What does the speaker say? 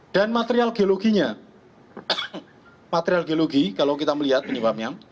dan material geologinya material geologi kalau kita melihat penyebabnya